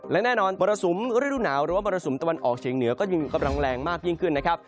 และแน่นอนมรสุมฤดูหนาวหรือว่ามรสุมตะวันออกเฉียงเหนือก็ยังมีกำลังแรงมากยิ่งขึ้นนะครับ